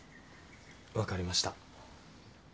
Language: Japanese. わかりました。